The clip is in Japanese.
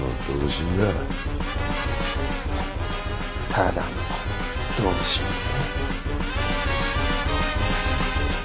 ただの同心ね。